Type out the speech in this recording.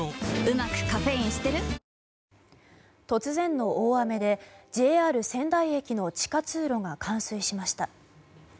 突然の大雨でＪＲ仙台駅の地下通路が冠水しました。